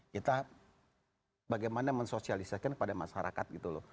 kita bagaimana mensosialisasikan kepada masyarakat gitu loh